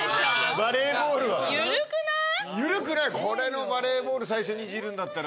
バレーボール最初にいじるんだったら。